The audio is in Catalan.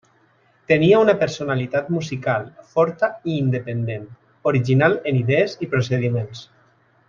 Tenia una personalitat musical forta i independent, original en idees i procediments.